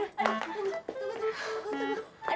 tunggu sebentar pak ustadz